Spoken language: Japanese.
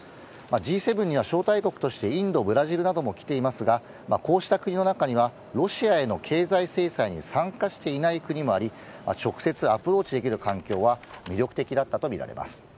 Ｇ７には招待国として、インド、ブラジルなども来ていますが、こうした国の中には、ロシアへの経済制裁に参加していない国もあり、直接アプローチできる環境は魅力的だったと見られます。